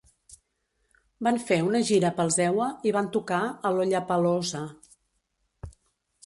Van fer una gira pels EUA i van tocar a Lollapalooza.